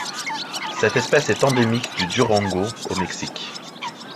Cette espèce est endémique du Durango au Mexique.